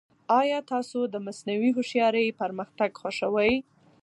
ایا تاسو د مصنوعي هوښیارۍ پرمختګ خوښوي؟